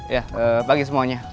ya pagi semuanya